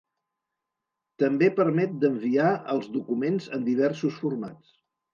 També permet d’enviar els documents en diversos formats.